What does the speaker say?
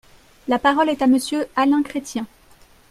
La parole est à Monsieur Alain Chrétien.